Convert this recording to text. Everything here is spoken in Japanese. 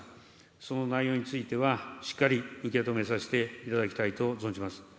その内容についてはしっかり受け止めさせていただきたいと存じます。